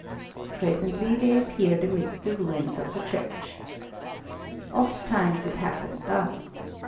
Presently they appeared amidst the ruins of the church. Ofttimes it happened thus.